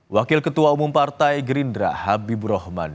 wakil ketua umum partai gerindra habib rohman